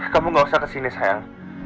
kamu nggak usah ke sini sayang